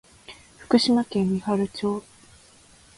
福島県三春町